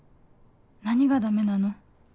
何がダメなの？